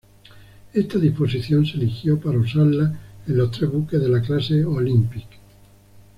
Esta disposición se eligió para usarla en los tres buques de la clase "Olympic".